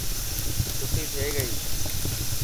ڇوٽي ٿي گئي.